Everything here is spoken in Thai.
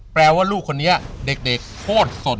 แปลว่าลูกคนนี้เด็กโทษสด